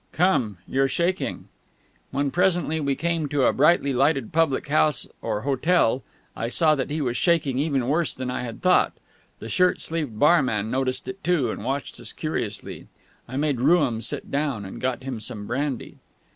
"Come, you're shaking." When presently we came to a brightly lighted public house or hotel, I saw that he was shaking even worse than I had thought. The shirt sleeved barman noticed it too, and watched us curiously. I made Rooum sit down, and got him some brandy.